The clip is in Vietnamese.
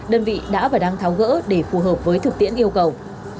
đơn vị đã và đang tháo gỡ để phù hợp với thực tiễn yêu cầu